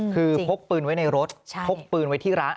คือพกปืนไว้ในรถพกปืนไว้ที่ร้าน